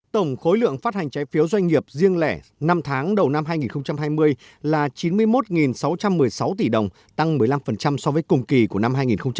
tổng khối lượng phát hành trái phiếu doanh nghiệp riêng lẻ năm tháng đầu năm hai nghìn hai mươi là chín mươi một sáu trăm một mươi sáu tỷ đồng tăng một mươi năm so với cùng kỳ của năm hai nghìn một mươi chín